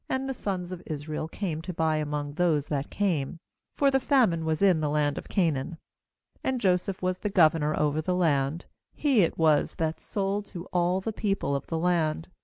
Israel came to buy among those that came; for the famine was in the land of Canaan. 6And Joseph was the governor over the land; he it was that sold to all the people of the land.